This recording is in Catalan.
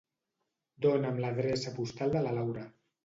Dona'm l'adreça postal de la Laura.